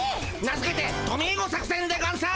名づけてトミーゴ作せんでゴンス。